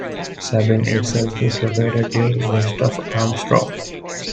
Sabine itself is located due west of Armstrong.